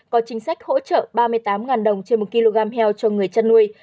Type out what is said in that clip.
có chính sách hỗ trợ ba mươi tám đồng trên một kg heo cho người chăn nuôi